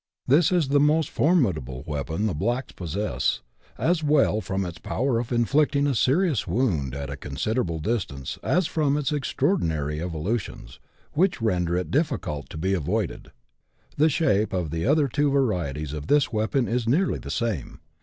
This is the most formidable weapon the blacks possess, as well from its power of inflicting a serious wound at a consi derable distance, as from its extraordinary evolutions, which render it difficult to be avoided. The shape of the other two varieties of this weapon is nearly the same.